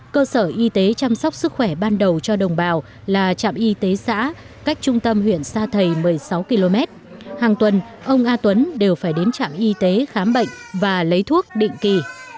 cơ sở y tế chăm sóc sức khỏe ban đầu cho đồng bào là trạm y tế xã cách trung tâm huyện sa thầy một mươi sáu km hàng tuần ông a tuấn đều phải đến trạm y tế khám bệnh và lấy thuốc định kỳ